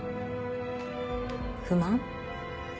不満？